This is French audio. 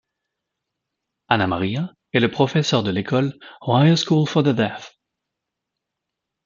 Anna Maria est le professeur de l'école Ohio School for the Deaf.